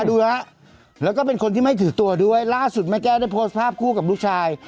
ดูแล้วแล้วก็เป็นคนที่ไม่ถือตัวด้วยล่าสุดแม่แก้วได้โพสต์ภาพคู่กับลูกชาย